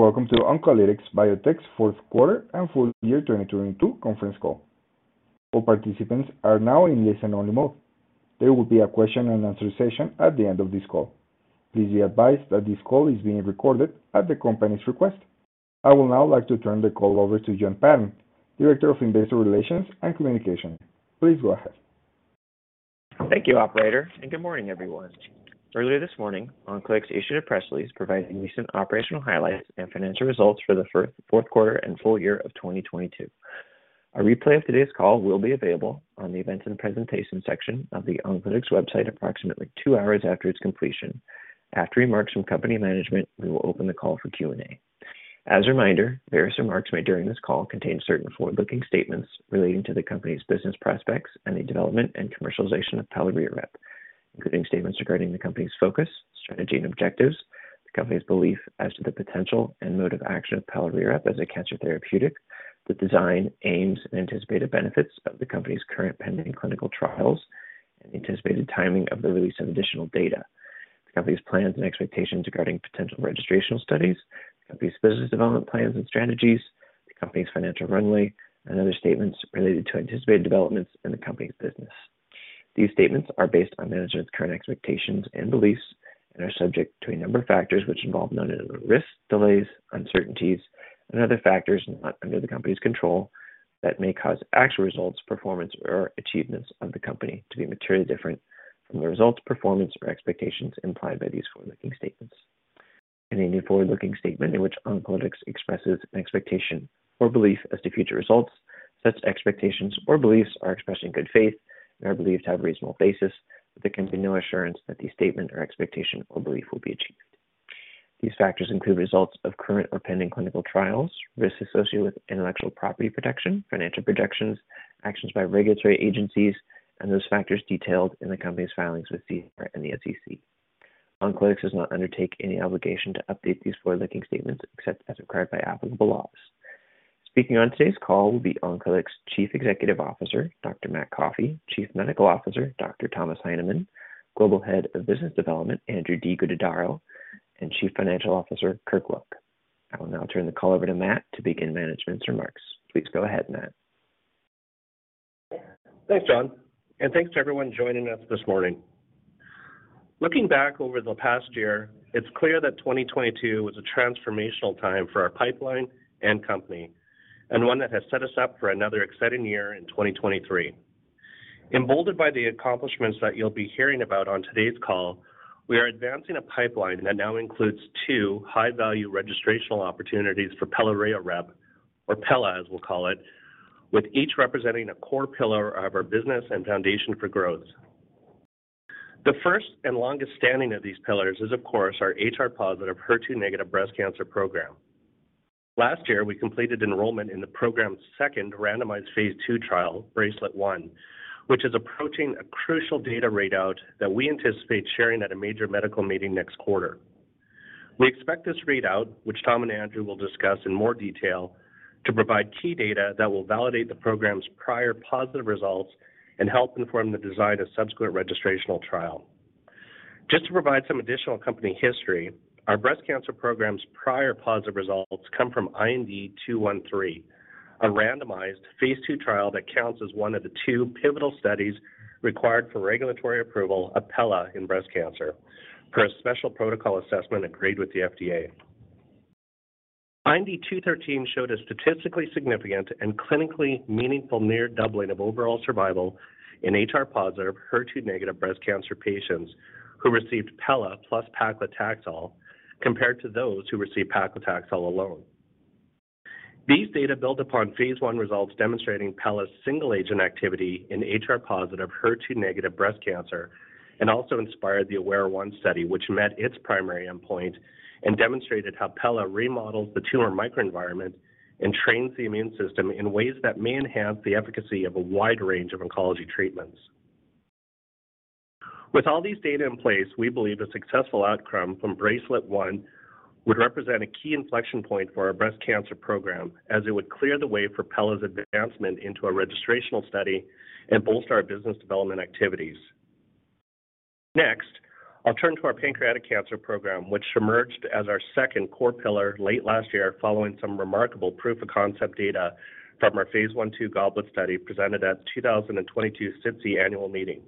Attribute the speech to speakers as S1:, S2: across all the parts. S1: Welcome to Oncolytics Biotech's Q4 and full year 2022 conference call. All participants are now in listen only mode. There will be a Q&A session at the end of this call. Please be advised that this call is being recorded at the company's request. I would now like to turn the call over to Jon Patton, Director of Investor Relations and Communications. Please go ahead.
S2: Thank you, operator, and good morning, everyone. Earlier this morning, Oncolytics issued a press release providing recent operational highlights and financial results for the Q4 and full year of 2022. A replay of today's call will be available on the Events and Presentations section of the Oncolytics website approximately two hours after its completion. After remarks from company management, we will open the call for Q&A. As a reminder, various remarks made during this call contain certain forward-looking statements relating to the company's business prospects and the development and commercialization of Pelareorep, including statements regarding the company's focus, strategy, and objectives, the company's belief as to the potential and mode of action of Pelareorep as a cancer therapeutic, the design, aims, and anticipated benefits of the company's current pending clinical trials, and anticipated timing of the release of additional data, the company's plans and expectations regarding potential registrational studies, the company's business development plans and strategies, the company's financial runway, and other statements related to anticipated developments in the company's business. These statements are based on management's current expectations and beliefs and are subject to a number of factors which involve known and unknown risks, delays, uncertainties, and other factors not under the company's control that may cause actual results, performance, or achievements of the company to be materially different from the results, performance, or expectations implied by these forward-looking statements. In any forward-looking statement in which Oncolytics expresses an expectation or belief as to future results, such expectations or beliefs are expressed in good faith and are believed to have reasonable basis, but there can be no assurance that the statement or expectation or belief will be achieved. These factors include results of current or pending clinical trials, risks associated with intellectual property protection, financial projections, actions by regulatory agencies, and those factors detailed in the company's filings with the SEC. Oncolytics does not undertake any obligation to update these forward-looking statements except as required by applicable laws. Speaking on today's call will be Oncolytics Chief Executive Officer, Dr. Matt Coffey, Chief Medical Officer, Dr. Thomas Heineman, Global Head of Business Development, Andrew de Guttadauro, and Chief Financial Officer, Kirk Look. I will now turn the call over to Matt to begin management's remarks. Please go ahead, Matt.
S3: Thanks, John, thanks to everyone joining us this morning. Looking back over the past year, it's clear that 2022 was a transformational time for our pipeline and company, one that has set us up for another exciting year in 2023. Emboldened by the accomplishments that you'll be hearing about on today's call, we are advancing a pipeline that now includes two high-value registrational opportunities for pelareorep, or pela as we'll call it, with each representing a core pillar of our business and foundation for growth. The first and longest standing of these pillars is, of course, our HR+, HER2- breast cancer program. Last year, we completed enrollment in the program's second randomized Phase II trial, BRACELET-1, which is approaching a crucial data readout that we anticipate sharing at a major medical meeting next quarter. We expect this readout, which Tom and Andrew will discuss in more detail, to provide key data that will validate the program's prior positive results and help inform the design of subsequent registrational trial. Just to provide some additional company history, our breast cancer program's prior positive results come from IND 213, a randomized Phase II trial that counts as one of the two pivotal studies required for regulatory approval of pela in breast cancer per a Special Protocol Assessment agreed with the FDA. IND 213 showed a statistically significant and clinically meaningful near doubling of overall survival in HR positive, HER2 negative breast cancer patients who received pela plus paclitaxel compared to those who received paclitaxel alone. These data build upon phase I results demonstrating pela's single agent activity in HR+, HER2- breast cancer and also inspired the AWARE-1 study, which met its primary endpoint and demonstrated how pela remodels the tumor microenvironment and trains the immune system in ways that may enhance the efficacy of a wide range of oncology treatments. With all these data in place, we believe a successful outcome from BRACELET-1 would represent a key inflection point for our breast cancer program as it would clear the way for pela's advancement into a registrational study and bolster our business development activities. Next, I'll turn to our Pancreatic cancer program, which emerged as our second core pillar late last year following some remarkable proof of concept data from our phase I/II GOBLET study presented at the 2022 SITC annual meeting.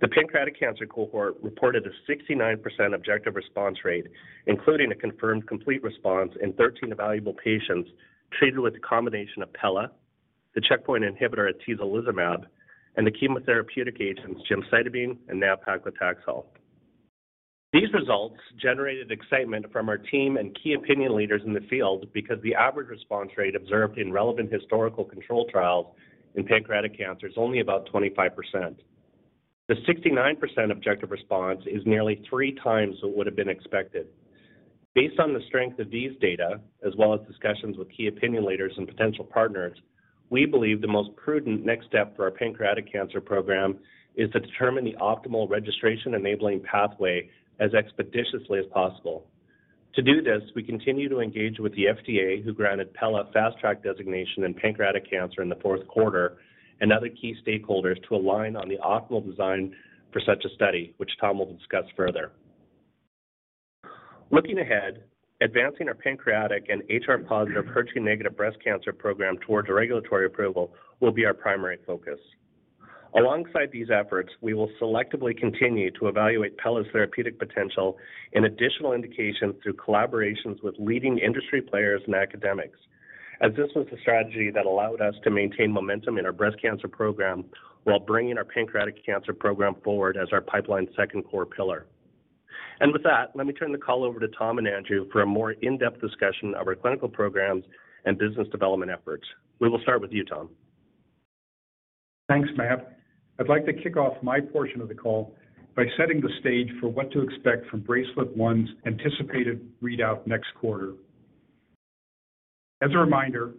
S3: The pancreatic cancer cohort reported a 69% objective response rate, including a confirmed complete response in 13 evaluable patients treated with the combination of pela, the checkpoint inhibitor atezolizumab, and the chemotherapeutic agents gemcitabine and nab-paclitaxel. These results generated excitement from our team and key opinion leaders in the field because the average response rate observed in relevant historical control trials in pancreatic cancer is only about 25%. The 69% objective response is nearly three times what would have been expected. Based on the strength of these data, as well as discussions with key opinion leaders and potential partners, we believe the most prudent next step for our pancreatic cancer program is to determine the optimal registration-enabling pathway as expeditiously as possible. To do this, we continue to engage with the FDA, who granted pela Fast Track designation in pancreatic cancer in the Q4, and other key stakeholders to align on the optimal design for such a study, which Tom will discuss further. Looking ahead, advancing our pancreatic and HR-positive, HER2-negative breast cancer program towards a regulatory approval will be our primary focus. Alongside these efforts, we will selectively continue to evaluate Pela's therapeutic potential in additional indications through collaborations with leading industry players and academics, as this was the strategy that allowed us to maintain momentum in our breast cancer program while bringing our pancreatic cancer program forward as our pipeline's second core pillar. With that, let me turn the call over to Tom and Andrew for a more in-depth discussion of our clinical programs and business development efforts. We will start with you, Tom.
S4: Thanks, Matt. I'd like to kick off my portion of the call by setting the stage for what to expect from BRACELET-1's anticipated readout next quarter. As a reminder,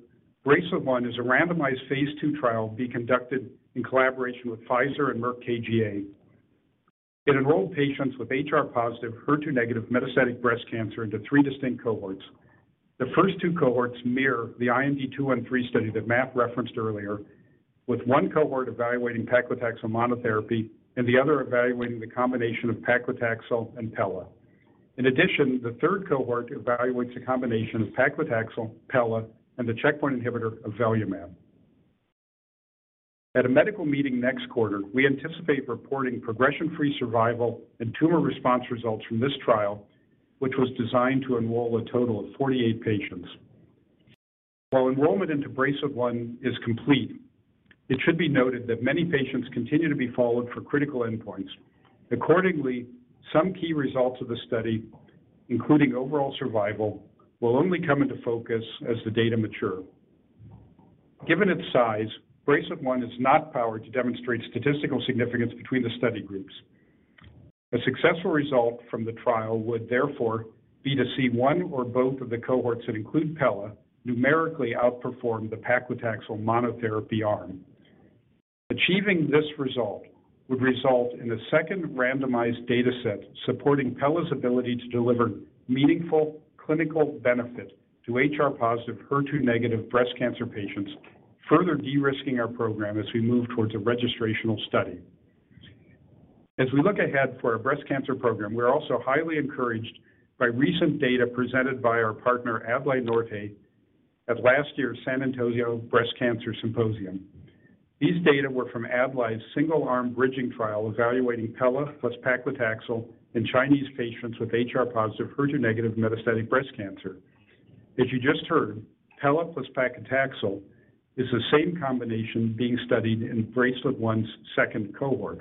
S4: BRACELET-1 is a randomized phase II trial being conducted in collaboration with Pfizer and Merck KGaA. It enrolled patients with HR-positive, HER2-negative metastatic breast cancer into three distinct cohorts. The first two cohorts mirror the IND 213 study that Matt referenced earlier, with one cohort evaluating paclitaxel monotherapy and the other evaluating the combination of paclitaxel and Pela. In addition, the third cohort evaluates a combination of paclitaxel, Pela, and the checkpoint inhibitor avelumab. At a medical meeting next quarter, we anticipate reporting progression-free survival and tumor response results from this trial, which was designed to enroll a total of 48 patients. While enrollment into BRACELET-1 is complete, it should be noted that many patients continue to be followed for critical endpoints. Accordingly, some key results of the study, including overall survival, will only come into focus as the data mature. Given its size, BRACELET-1 is not powered to demonstrate statistical significance between the study groups. A successful result from the trial would therefore be to see one or both of the cohorts that include Pela numerically outperform the paclitaxel monotherapy arm. Achieving this result would result in a second randomized data set supporting Pela's ability to deliver meaningful clinical benefit to HR-positive, HER2-negative breast cancer patients, further de-risking our program as we move towards a registrational study. As we look ahead for our breast cancer program, we're also highly encouraged by recent data presented by our partner, Adlai Nortye, at last year's San Antonio Breast Cancer Symposium. These data were from Adlai Nortye's single-arm bridging trial evaluating Pela plus paclitaxel in Chinese patients with HR-positive, HER2-negative metastatic breast cancer. As you just heard, Pela plus paclitaxel is the same combination being studied in BRACELET-1's second cohort.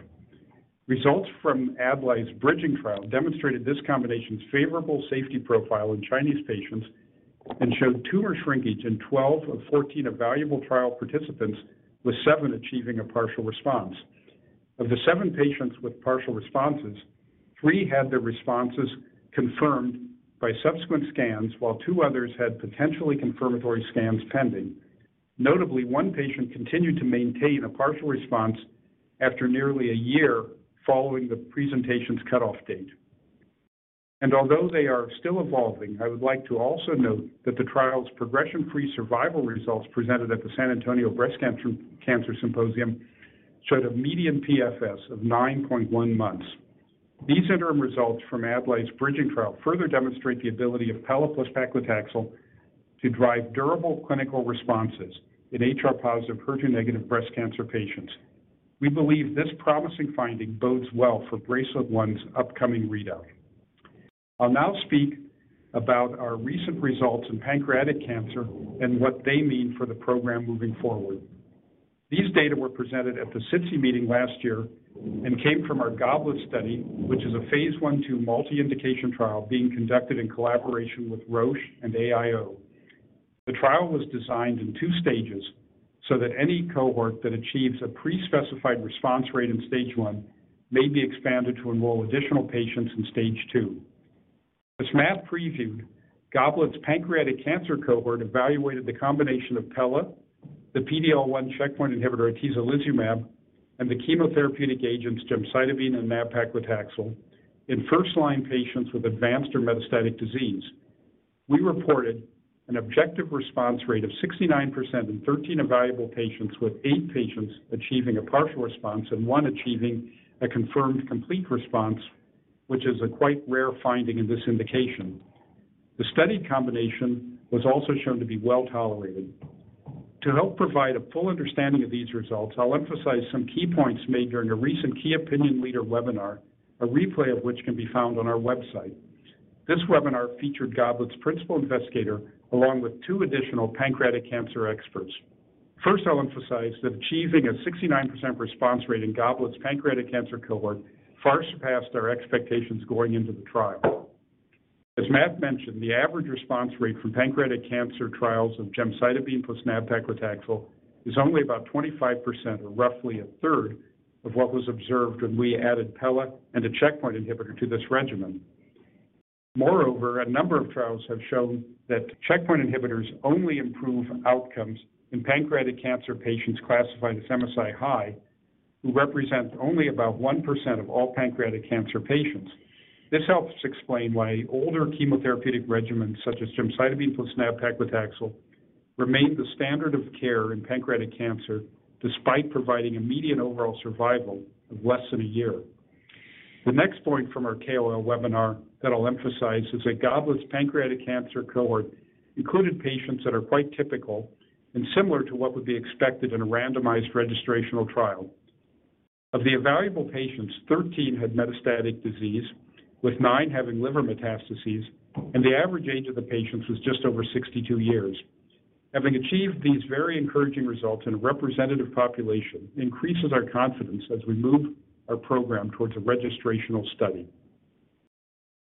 S4: Results from Adlai Nortye's bridging trial demonstrated this combination's favorable safety profile in Chinese patients and showed tumor shrinkage in 12 of 14 evaluable trial participants, with seven achieving a partial response. Of the seven patients with partial responses, three had their responses confirmed by subsequent scans, while two others had potentially confirmatory scans pending. Notably, one patient continued to maintain a partial response after nearly a year following the presentation's cutoff date. Although they are still evolving, I would like to also note that the trial's progression-free survival results presented at the San Antonio Breast Cancer Symposium showed a median PFS of 9.1 months. These interim results from Adlai Nortye's bridging trial further demonstrate the ability of pelareorep plus paclitaxel to drive durable clinical responses in HR-positive, HER2-negative breast cancer patients. We believe this promising finding bodes well for BRACELET-1's upcoming readout. I'll now speak about our recent results in pancreatic cancer and what they mean for the program moving forward. These data were presented at the SITC meeting last year and came from our GOBLET study, which is a Phase I/II multi-indication trial being conducted in collaboration with Roche and AIO. The trial was designed in two stages, so that any cohort that achieves a pre-specified response rate in stage one may be expanded to enroll additional patients in stage two. As Matt previewed, GOBLET's pancreatic cancer cohort evaluated the combination of Pelareorep, the PD-L1 checkpoint inhibitor atezolizumab, and the chemotherapeutic agents gemcitabine and nab-paclitaxel in first-line patients with advanced or metastatic disease. We reported an objective response rate of 69% in 13 evaluable patients, with eight patients achieving a partial response and one achieving a confirmed complete response, which is a quite rare finding in this indication. The study combination was also shown to be well-tolerated. To help provide a full understanding of these results, I'll emphasize some key points made during a recent key opinion leader webinar, a replay of which can be found on our website. This webinar featured GOBLET's principal investigator, along with two additional pancreatic cancer experts. First, I'll emphasize that achieving a 69% response rate in GOBLET's pancreatic cancer cohort far surpassed our expectations going into the trial. As Matt mentioned, the average response rate for pancreatic cancer trials of gemcitabine plus nab-paclitaxel is only about 25% or roughly a third of what was observed when we added Pela and a checkpoint inhibitor to this regimen. Moreover, a number of trials have shown that checkpoint inhibitors only improve outcomes in pancreatic cancer patients classified as MSI-H, who represent only about 1% of all pancreatic cancer patients. This helps explain why older chemotherapeutic regimens, such as gemcitabine plus nab-paclitaxel remain the standard of care in pancreatic cancer despite providing a median overall survival of less than a year. The next point from our KOL webinar that I'll emphasize is that GOBLET's pancreatic cancer cohort included patients that are quite typical and similar to what would be expected in a randomized registrational trial. Of the evaluable patients, 13 had metastatic disease, with 9 having liver metastases, and the average age of the patients was just over 62 years. Having achieved these very encouraging results in a representative population increases our confidence as we move our program towards a registrational study.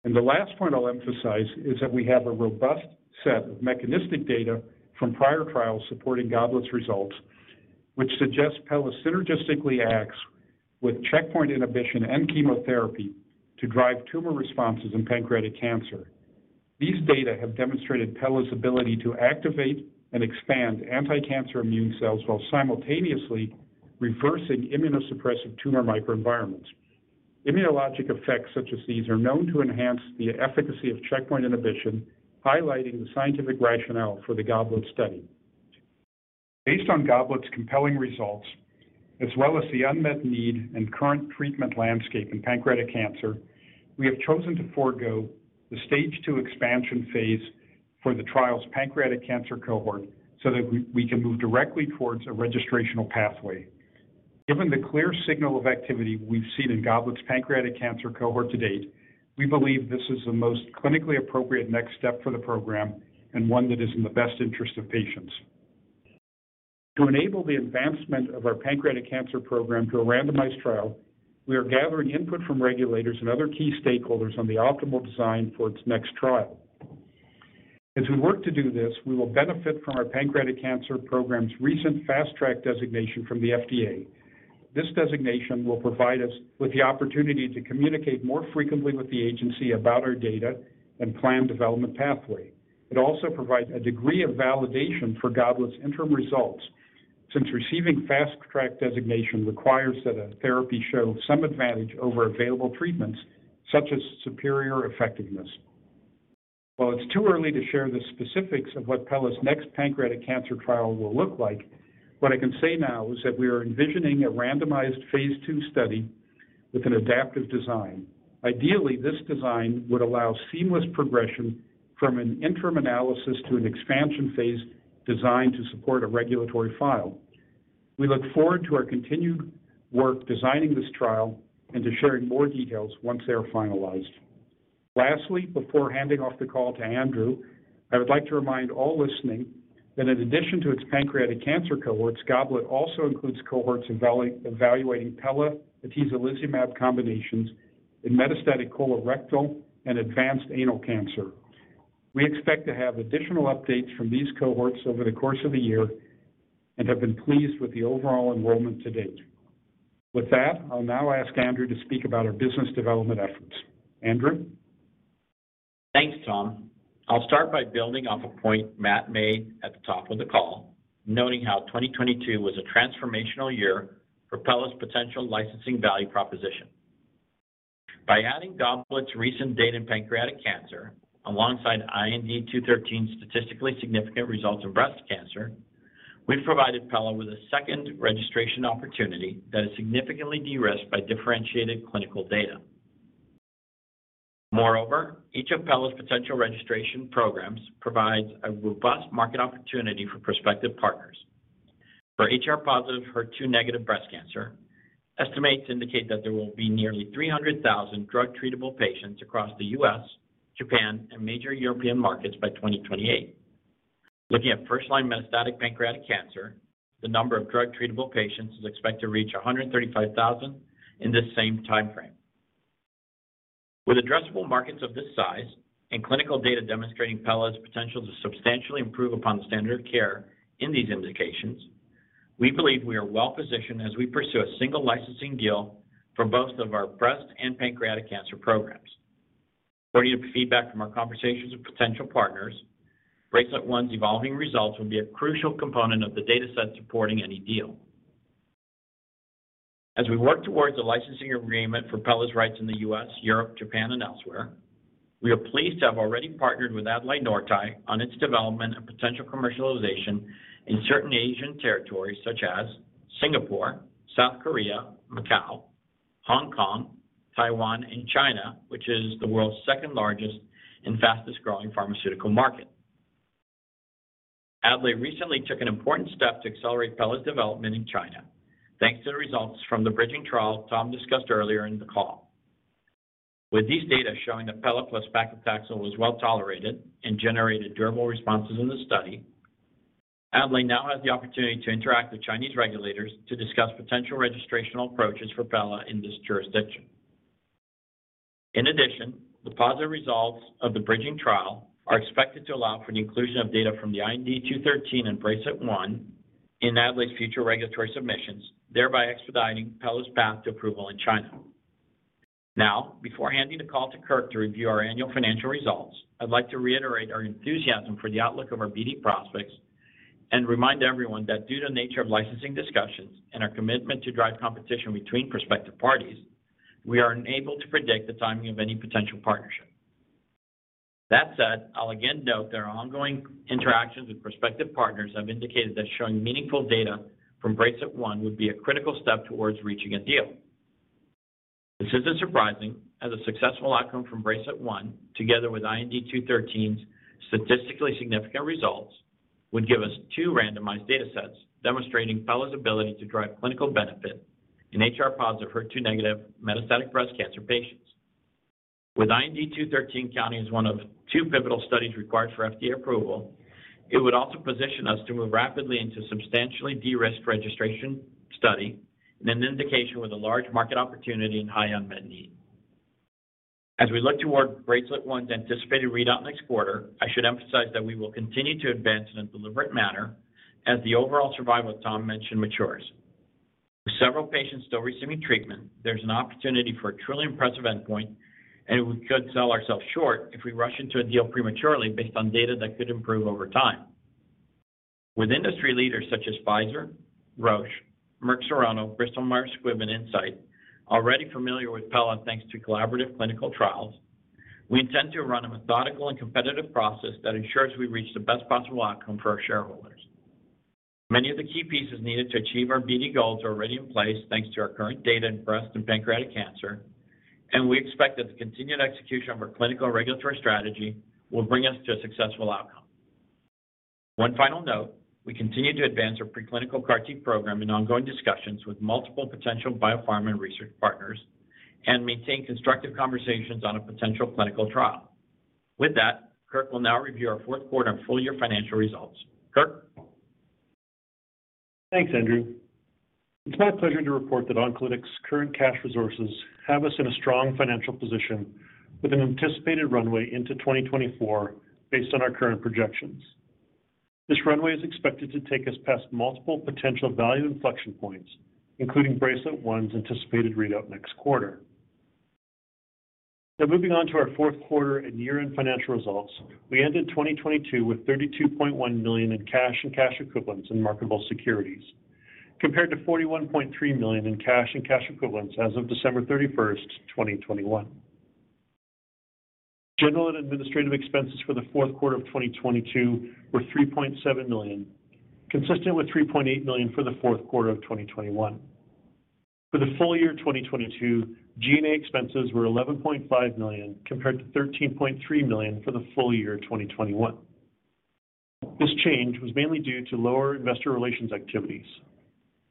S4: The last point I'll emphasize is that we have a robust set of mechanistic data from prior trials supporting GOBLET's results, which suggest Pella synergistically acts with checkpoint inhibition and chemotherapy to drive tumor responses in pancreatic cancer. These data have demonstrated Pella's ability to activate and expand anti-cancer immune cells while simultaneously reversing immunosuppressive tumor microenvironments. Immunologic effects such as these are known to enhance the efficacy of checkpoint inhibition, highlighting the scientific rationale for the GOBLET study. Based on GOBLET's compelling results, as well as the unmet need and current treatment landscape in pancreatic cancer, we have chosen to forgo the Stage two expansion phase for the trial's pancreatic cancer cohort so that we can move directly towards a registrational pathway. Given the clear signal of activity we've seen in GOBLET's pancreatic cancer cohort to date, we believe this is the most clinically appropriate next step for the program and one that is in the best interest of patients. To enable the advancement of our pancreatic cancer program to a randomized trial, we are gathering input from regulators and other key stakeholders on the optimal design for its next trial. As we work to do this, we will benefit from our pancreatic cancer program's recent Fast Track designation from the FDA. This designation will provide us with the opportunity to communicate more frequently with the agency about our data and planned development pathway. It also provides a degree of validation for GOBLET's interim results, since receiving Fast Track designation requires that a therapy show some advantage over available treatments, such as superior effectiveness. While it's too early to share the specifics of what Pella's next pancreatic cancer trial will look like, what I can say now is that we are envisioning a randomized Phase II study with an adaptive design. Ideally, this design would allow seamless progression from an interim analysis to an an expansion phase designed to support a regulatory file. We look forward to our continued work designing this trial and to sharing more details once they are finalized. Lastly, before handing off the call to Andrew, I would like to remind all listening that in addition to its pancreatic cancer cohorts, GOBLET also includes cohorts evaluating Pelareorep atezolizumab combinations in metastatic colorectal and advanced anal cancer. We expect to have additional updates from these cohorts over the course of the year and have been pleased with the overall enrollment to date. With that, I'll now ask Andrew to speak about our business development efforts. Andrew?
S5: Thanks, Tom. I'll start by building off a point Matt made at the top of the call, noting how 2022 was a transformational year for Pella's potential licensing value proposition. By adding GOBLET's recent data in pancreatic cancer alongside IND 213's statistically significant results in breast cancer, we've provided Pella with a second registration opportunity that is significantly de-risked by differentiated clinical data. Moreover, each of Pella's potential registration programs provides a robust market opportunity for prospective partners. For HR+, HER2- breast cancer, estimates indicate that there will be nearly 300,000 drug-treatable patients across the U.S., Japan, and major European markets by 2028. Looking at first-line metastatic pancreatic cancer, the number of drug-treatable patients is expected to reach 135,000 in this same timeframe. With addressable markets of this size and clinical data demonstrating Pelareorep's potential to substantially improve upon the standard of care in these indications, we believe we are well-positioned as we pursue a single licensing deal for both of our breast and pancreatic cancer programs. According to feedback from our conversations with potential partners, BRACELET-1's evolving results will be a crucial component of the dataset supporting any deal. As we work towards a licensing agreement for Pelareorep's rights in the U.S., Europe, Japan, and elsewhere, we are pleased to have already partnered with Adlai Nortye on its development and potential commercialization in certain Asian territories such as Singapore, South Korea, Macau, Hong Kong, Taiwan, and China, which is the world's second-largest and fastest-growing pharmaceutical market. Adlai Nortye recently took an important step to accelerate development in China, thanks to the results from the bridging trial Tom discussed earlier in the call. With these data showing that Pella plus paclitaxel was well-tolerated and generated durable responses in the study, Adlay now has the opportunity to interact with Chinese regulators to discuss potential registrational approaches for Pella in this jurisdiction. The positive results of the bridging trial are expected to allow for the inclusion of data from the IND 213 and BRACELET-1 in Adlay's future regulatory submissions, thereby expediting Pella's path to approval in China. Before handing the call to Kirk to review our annual financial results, I'd like to reiterate our enthusiasm for the outlook of our BD prospects and remind everyone that due to the nature of licensing discussions and our commitment to drive competition between prospective parties, we are unable to predict the timing of any potential partnership. That said, I'll again note that our ongoing interactions with prospective partners have indicated that showing meaningful data from BRACELET-1 would be a critical step towards reaching a deal. This isn't surprising, as a successful outcome from BRACELET-1, together with IND 213's statistically significant results, would give us two randomized data sets demonstrating Pella's ability to drive clinical benefit in HR-positive, HER2-negative metastatic breast cancer patients. With IND 213 counting as one of two pivotal studies required for FDA approval, it would also position us to move rapidly into substantially de-risked registration study in an indication with a large market opportunity and high unmet need. As we look toward BRACELET-1's anticipated readout next quarter, I should emphasize that we will continue to advance in a deliberate manner as the overall survival Tom mentioned matures. With several patients still receiving treatment, there's an opportunity for a truly impressive endpoint, and we could sell ourselves short if we rush into a deal prematurely based on data that could improve over time. With industry leaders such as Pfizer, Roche, Merck Serono, Bristol Myers Squibb, and Incyte already familiar with pelareorep thanks to collaborative clinical trials, we intend to run a methodical and competitive process that ensures we reach the best possible outcome for our shareholders. Many of the key pieces needed to achieve our BD goals are already in place thanks to our current data in breast and pancreatic cancer, and we expect that the continued execution of our clinical regulatory strategy will bring us to a successful outcome. One final note: we continue to advance our preclinical CAR-T program in ongoing discussions with multiple potential biopharma and research partners and maintain constructive conversations on a potential clinical trial. With that, Kirk will now review our fourth quarter and full-year financial results. Kirk?
S6: Thanks, Andrew. It's my pleasure to report that Oncolytics' current cash resources have us in a strong financial position with an anticipated runway into 2024 based on our current projections. This runway is expected to take us past multiple potential value inflection points, including BRACELET-1's anticipated readout next quarter. Moving on to our Q4 and year-end financial results, we ended 2022 with $32.1 million in cash and cash equivalents in marketable securities, compared to $41.3 million in cash and cash equivalents as of December 31st, 2021. General and Administrative expenses for the Q4 of 2022 were $3.7 million, consistent with $3.8 million for the Q4 of 2021. For the full year of 2022, G&A expenses were $11.5 million, compared to $13.3 million for the full year of 2021. This change was mainly due to lower investor relations activities.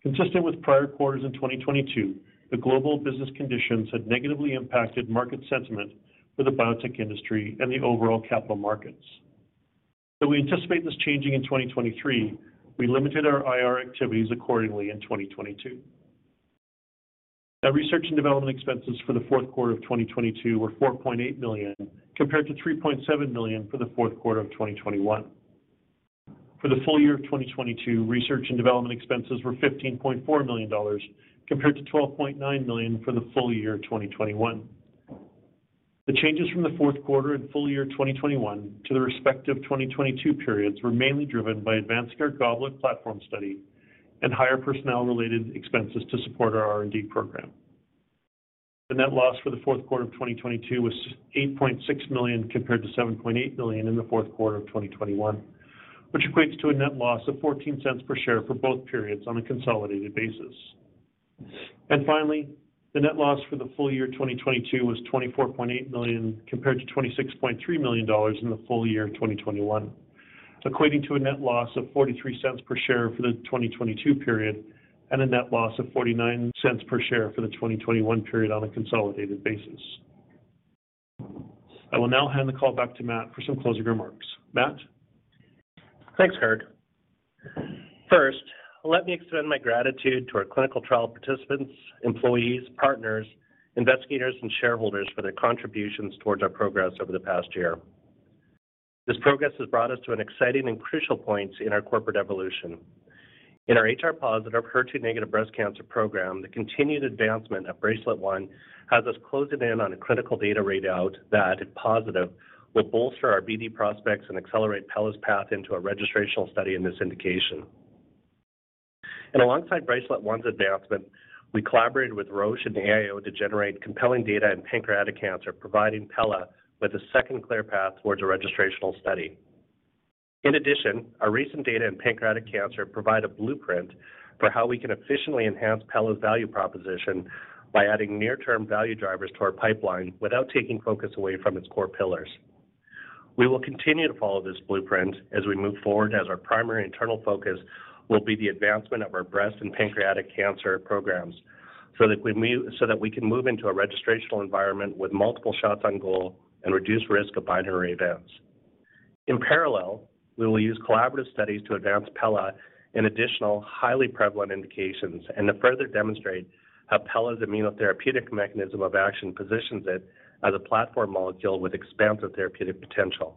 S6: Consistent with prior quarters in 2022, the global business conditions had negatively impacted market sentiment for the biotech industry and the overall capital markets. Though we anticipate this changing in 2023, we limited our IR activities accordingly in 2022. Now, research and development expenses for the Q4 of 2022 were $4.8 million, compared to $3.7 million for the Q4 of 2021. For the full year of 2022, research and development expenses were $15.4 million, compared to $12.9 million for the full year of 2021. The changes from the Q4 and full year of 2021 to the respective 2022 periods were mainly driven by Advanced CAR-T GOBLET platform study and higher personnel-related expenses to support our R&D program. The net loss for the Q4 of 2022 was $8.6 million, compared to $7.8 million in the Q4 of 2021, which equates to a net loss of $0.14 per share for both periods on a consolidated basis. Finally, the net loss for the full year of 2022 was $24.8 million, compared to $26.3 million in the full year of 2021, equating to a net loss of $0.43 per share for the 2022 period and a net loss of $0.49 per share for the 2021 period on a consolidated basis. I will now hand the call back to Matt for some closing remarks. Matt?
S3: Thanks, Kirk. First, let me extend my gratitude to our clinical trial participants, employees, partners, investigators, and shareholders for their contributions towards our progress over the past year. This progress has brought us to an exciting and crucial point in our corporate evolution. In our HR-positive, HER2-negative breast cancer program, the continued advancement of BRACELET-1 has us closing in on a clinical data readout that, if positive, will bolster our BD prospects and accelerate Pelareorep's path into a registrational study in this indication. Alongside BRACELET-1's advancement, we collaborated with Roche and AIO to generate compelling data in pancreatic cancer, providing Pelareorep with a second clear path towards a registrational study. In addition, our recent data in pancreatic cancer provide a blueprint for how we can efficiently enhance Pelareorep's value proposition by adding near-term value drivers to our pipeline without taking focus away from its core pillars. We will continue to follow this blueprint as we move forward, as our primary internal focus will be the advancement of our breast and pancreatic cancer programs so that we can move into a registrational environment with multiple shots on goal and reduced risk of binary events. In parallel, we will use collaborative studies to advance Pelareorep in additional highly prevalent indications and to further demonstrate how Pelareorep's immunotherapeutic mechanism of action positions it as a platform molecule with expansive therapeutic potential.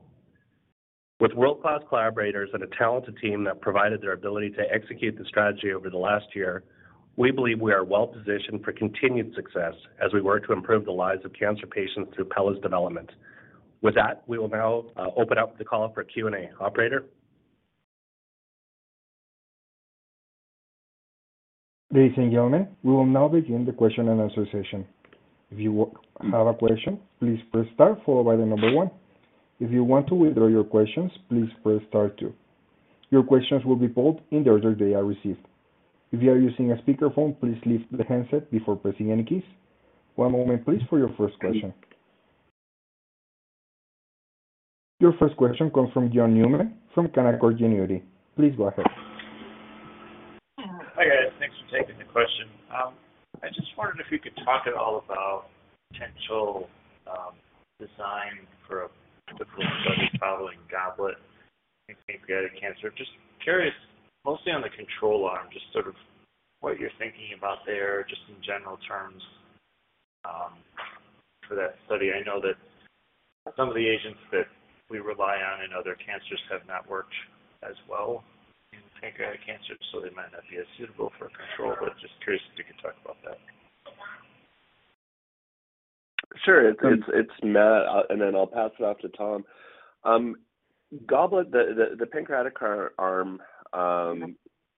S3: With world-class collaborators and a talented team that provided their ability to execute the strategy over the last year, we believe we are well-positioned for continued success as we work to improve the lives of cancer patients through Pelareorep's development. With that, we will now open up the call for Q&A. Operator?
S1: Ladies and gentlemen, we will now begin the Q&A session. If you have a question, please press star followed by one. If you want to withdraw your questions, please press star two. Your questions will be pulled in the order they are received. If you are using a speaker phone, please lift the handset before pressing any keys. One moment please for your first question. Your first question comes from John Newman from Canaccord Genuity. Please go ahead.
S7: Hi guys. Thanks for taking the question. I just wondered if you could talk at all about potential, design for a particular study following GOBLET in pancreatic cancer. Just curious mostly on the control arm, just sort of what you're thinking about there, just in general terms, for that study. I know that some of the agents that we rely on in other cancers have not worked as well in pancreatic cancer, so they might not be as suitable for a control. Just curious if you could talk about that.
S3: Sure. It's Matt, then I'll pass it off to Tom. GOBLET, the pancreatic arm,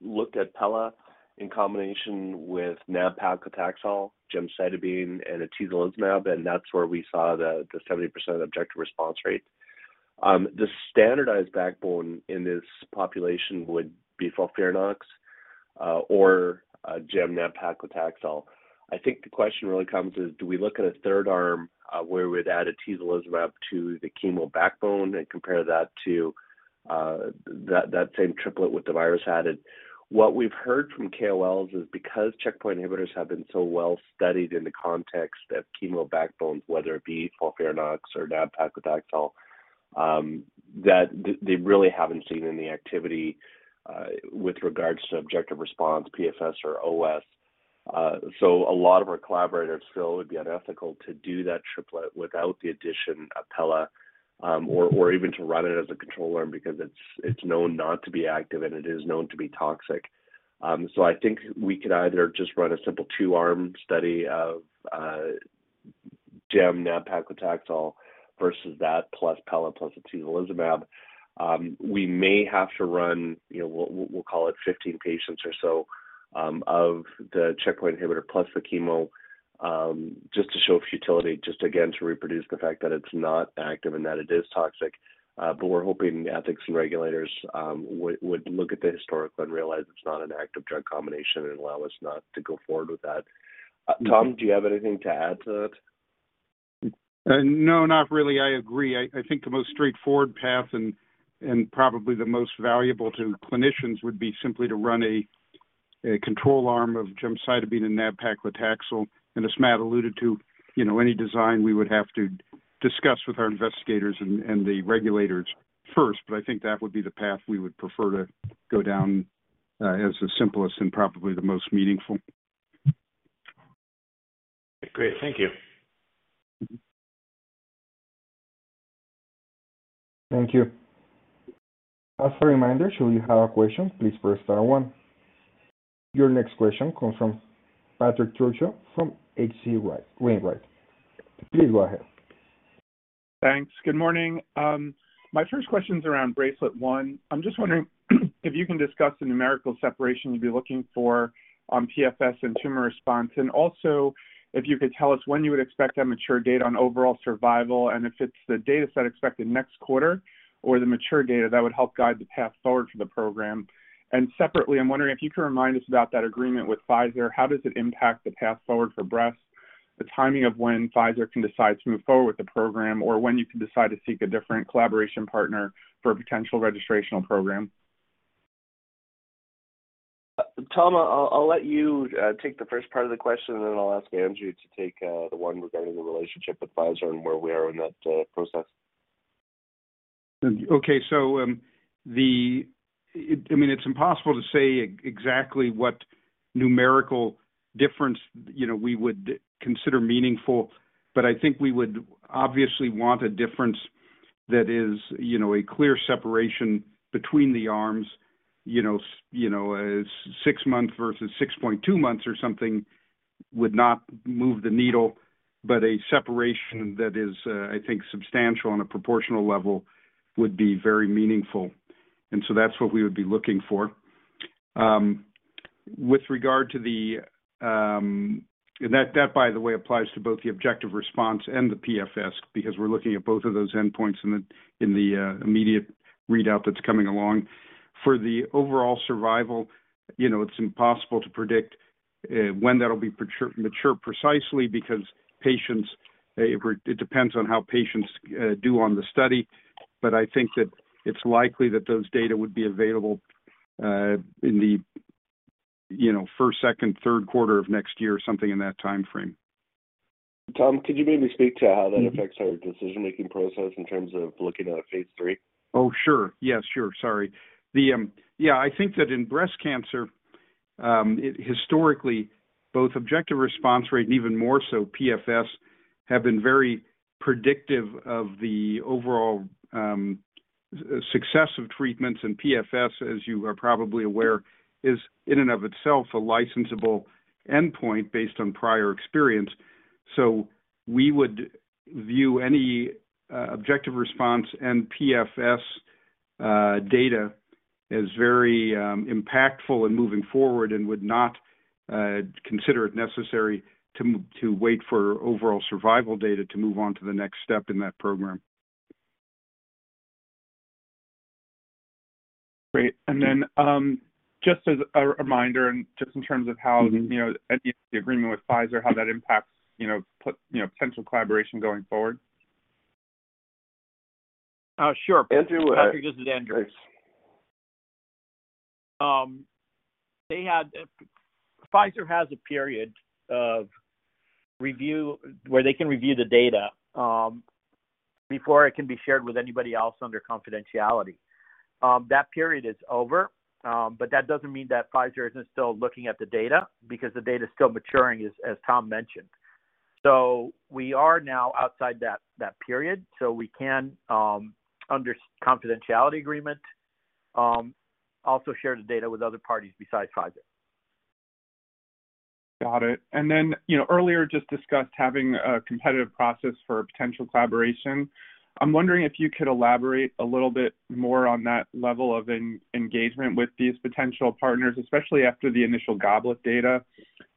S3: looked at Pelareorep in combination with nab-paclitaxel, gemcitabine and atezolizumab, and that's where we saw the 70% objective response rate. The standardized backbone in this population would be FOLFIRINOX or a gem nab-paclitaxel. I think the question really comes is, do we look at a third arm where we'd add atezolizumab to the chemo backbone and compare that to that same triplet with the virus added? What we've heard from KOLs is because checkpoint inhibitors have been so well-studied in the context of chemo backbones, whether it be FOLFIRINOX or nab-paclitaxel, that they really haven't seen any activity with regards to objective response, PFS or OS. A lot of our collaborators feel it would be unethical to do that triplet without the addition of Pelareorep, or even to run it as a control arm because it's known not to be active and it is known to be toxic. I think we could either just run a simple two-arm study of gem nab-paclitaxel versus that plus Pelareorep plus atezolizumab. We may have to run, you know, we'll call it 15 patients or so of the checkpoint inhibitor plus the chemo, just to show futility, just again to reproduce the fact that it's not active and that it is toxic. We're hoping ethics and regulators would look at the historical and realize it's not an active drug combination and allow us not to go forward with that. Tom, do you have anything to add to that?
S4: No, not really. I agree. I think the most straightforward path and probably the most valuable to clinicians would be simply to run a control arm of gemcitabine and nab-paclitaxel. As Matt alluded to, you know, any design we would have to discuss with our investigators and the regulators first. I think that would be the path we would prefer to go down as the simplest and probably the most meaningful.
S7: Great. Thank you.
S1: Thank you. As a reminder, should you have a question, please press star one. Your next question comes from Patrick Trucchio from H.C. Wainwright. Please go ahead.
S8: Thanks. Good morning. My first question's around BRACELET-1. I'm just wondering if you can discuss the numerical separation you'd be looking for on PFS and tumor response? Also, if you could tell us when you would expect to have mature data on overall survival, and if it's the data set expected next quarter or the mature data, that would help guide the path forward for the program? Separately, I'm wondering if you could remind us about that agreement with Pfizer? How does it impact the path forward for breast, the timing of when Pfizer can decide to move forward with the program, or when you can decide to seek a different collaboration partner for a potential registrational program?
S3: Tom, I'll let you take the first part of the question, and then I'll ask Andrew to take the one regarding the relationship with Pfizer and where we are in that process.
S4: Okay. I mean, it's impossible to say exactly what numerical difference, you know, we would consider meaningful, but I think we would obviously want a difference that is, you know, a clear separation between the arms. You know, a six-month versus 6.2 months or something would not move the needle, but a separation that is, I think substantial on a proportional level would be very meaningful. That's what we would be looking for. With regard to the. That, by the way, applies to both the objective response and the PFS because we're looking at both of those endpoints in the immediate readout that's coming along. For the overall survival, you know, it's impossible to predict, when that'll be mature precisely because patients, it depends on how patients, do on the study. I think that it's likely that those data would be available, in the, you know, Q1,Q2.Q3 Of next year or something in that timeframe.
S3: Tom, could you maybe speak to how that affects our decision-making process in terms of looking at a phase three?
S4: Oh, sure. Yes. Sure. Sorry. Yeah, I think that in breast cancer, it historically, both objective response rate and even more so PFS, have been very predictive of the overall success of treatments. PFS, as you are probably aware, is in and of itself a licensable endpoint based on prior experience. We would view any objective response and PFS data as very impactful in moving forward and would not consider it necessary to wait for overall survival data to move on to the next step in that program.
S8: Great. Just as a reminder and just in terms of how, you know, the agreement with Pfizer, how that impacts, you know, potential collaboration going forward?
S4: Sure. Andrew.
S5: This is Andrew. Pfizer has a period of review where they can review the data before it can be shared with anybody else under confidentiality. That period is over, that doesn't mean that Pfizer isn't still looking at the data because the data is still maturing, as Tom mentioned. We are now outside that period, so we can under confidentiality agreement also share the data with other parties besides Pfizer.
S8: Got it. You know, earlier just discussed having a competitive process for potential collaboration. I'm wondering if you could elaborate a little bit more on that level of engagement with these potential partners, especially after the initial GOBLET data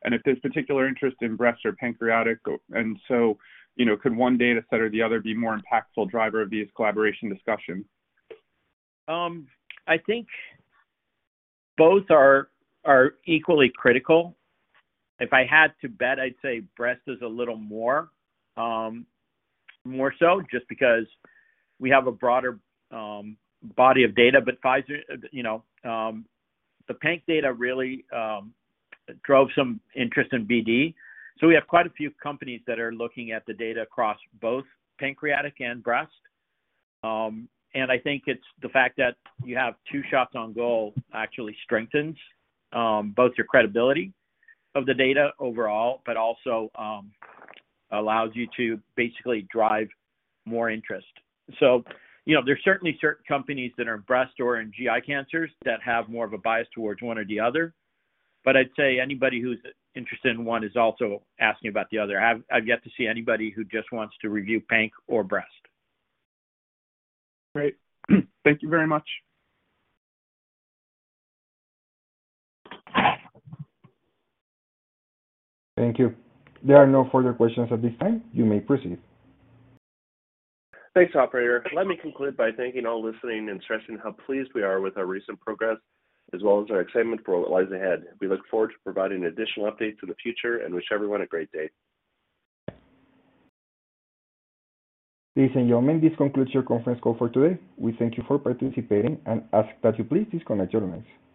S8: and if there's particular interest in breast or pancreatic? You know, could one data set or the other be more impactful driver of these collaboration discussions?
S5: I think both are equally critical. If I had to bet, I'd say Breast is a little more, more so just because we have a broader body of data. Pfizer, you know, the Panc data really drove some interest in BD. We have quite a few companies that are looking at the data across both pancreatic and breast. And I think it's the fact that you have two shots on goal actually strengthens both your credibility of the data overall, but also allows you to basically drive more interest. You know, there's certainly certain companies that are in breast or in GI cancers that have more of a bias towards one or the other. I'd say anybody who's interested in one is also asking about the other. I've yet to see anybody who just wants to review Panc or Breast.
S8: Great. Thank you very much.
S1: Thank you. There are no further questions at this time. You may proceed.
S4: Thanks, operator. Let me conclude by thanking all listening and stressing how pleased we are with our recent progress as well as our excitement for what lies ahead. We look forward to providing additional updates in the future and wish everyone a great day.
S1: Ladies and gentlemen, this concludes your conference call for today. We thank you for participating and ask that you please disconnect your lines.